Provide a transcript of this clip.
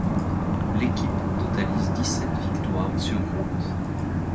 L'équipe totalise dix-sept victoires sur route.